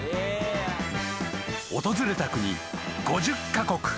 ［訪れた国５０カ国］